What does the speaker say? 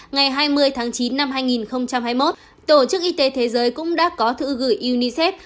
ngày hai mươi tháng chín năm hai nghìn hai mươi một tổ chức y tế thế giới cũng đã có thư gửi unicef